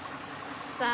さあ